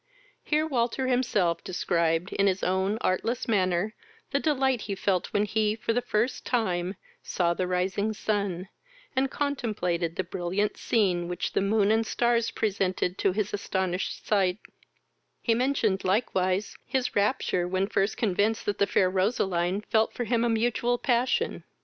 Here Walter himself described, in his own artless manner, the delight he felt when he, for the first time, saw the rising sun, and contemplated the brilliant scene which the moon and stars presented to his astonished sight; he mentioned likewise his rapture when first convinced that the fair Roseline felt for him a mutual passion.